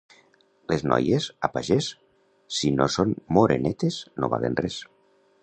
Les noies, a pagès, si no són morenetes, no valen res.